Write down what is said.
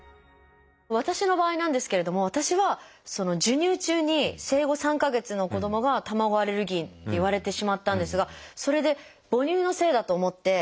私の場合なんですけれども私は授乳中に生後３か月の子どもが卵アレルギーって言われてしまったんですがそれで母乳のせいだと思って。